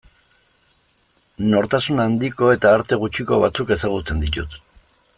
Nortasun handiko eta arte gutxiko batzuk ezagutzen ditut.